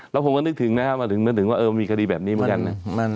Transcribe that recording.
แล้วผมก็นึกถึงนะครับมาถึงนึกถึงว่ามีคดีแบบนี้เหมือนกันนะ